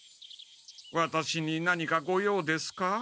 ワタシに何かごようですか？